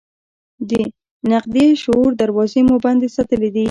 د تنقیدي شعور دراوزې مو بندې ساتلي دي.